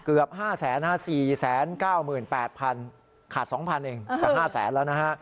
เกือบห้าแสนห้าสี่แสนเก้าหมื่นแปดพันขาดสองพันเองจะห้าแสนแล้วนะฮะ